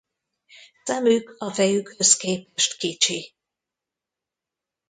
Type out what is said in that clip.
Szemük a fejükhöz képest kicsi.